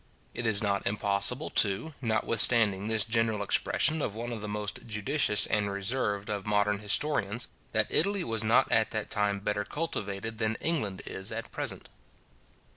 It is not impossible, too, notwithstanding this general expression of one of the most judicious and reserved of modern historians, that Italy was not at that time better cultivated than England is at present.